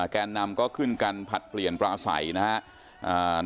แกนนำก็ขึ้นกันผลัดเปลี่ยนปลาใสนะครับ